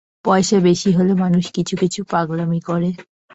পয়সা বেশি হলে মানুষ কিছু-কিছু পাগলামি করে।